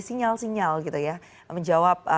sinyal sinyal gitu ya menjawab